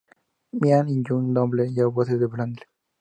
Mean y Young Noble, y voces de Brandy.